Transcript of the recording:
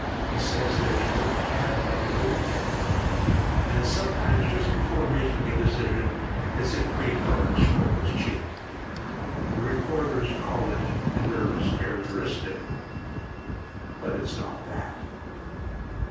He says there's no cad like an old cad, and that sometimes just before making a decision, it's a great help to stroke his chin. The reporters call it a nervous characteristic, but it's not that.